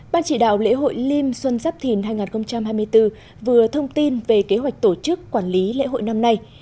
ban chỉ đạo lễ hội liêm xuân giáp thìn hai nghìn hai mươi bốn vừa thông tin về kế hoạch tổ chức quản lý lễ hội năm nay